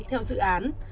theo dự án